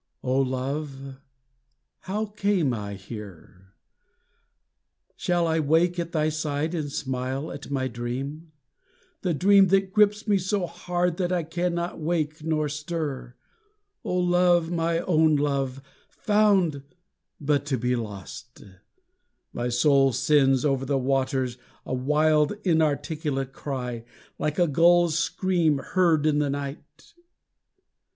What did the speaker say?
O love, how came I here? Shall I wake at thy side and smile at my dream? The dream that grips me so hard that I cannot wake nor stir! O love! O my own love, found but to be lost! My soul sends over the waters a wild inarticulate cry, Like a gull's scream heard in the night.